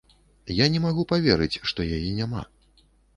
Я не магу паверыць, што яе няма.